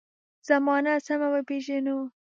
زمانه سمه وپېژنو.